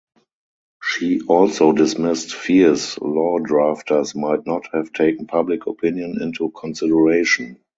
She also dismissed fears law drafters might not have taken public opinion into consideration.